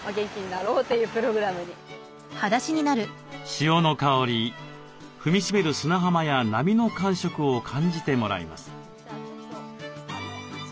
潮の香り踏みしめる砂浜や波の感触を感じてもらいます。